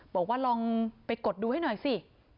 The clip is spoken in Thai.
บอกว่าลองไปกดดูให้หน่อยสิ